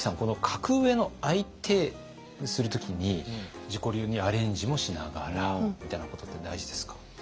格上の相手をする時に自己流にアレンジもしながらみたいなことって大事ですか？